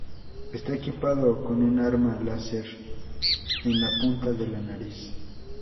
Está equipado con un arma láser en la punta de la nariz.